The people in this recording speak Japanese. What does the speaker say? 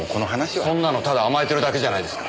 そんなのただ甘えてるだけじゃないですか。